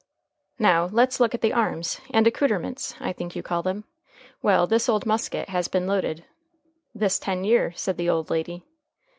"Now let's look at the arms and accouterments, I think you call them. Well, this old musket has been loaded " "This ten year," said the old lady.